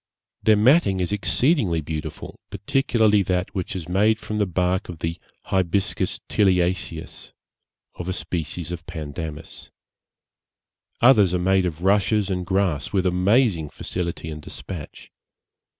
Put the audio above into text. Their matting is exceedingly beautiful, particularly that which is made from the bark of the Hibiscus tiliaceus, and of a species of Pandanus. Others are made of rushes and grass with amazing facility and dispatch.